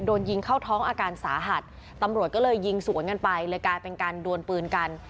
โดนยิงเข้าท้องอาการสาหัสตำรวจก็เลยยิงสวนกันไปเลยกลายเป็นการดวนปืนกัน